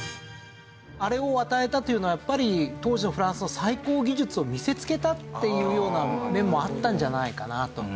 あれを与えたというのはやっぱり当時のフランスの最高技術を見せつけたっていうような面もあったんじゃないかなと。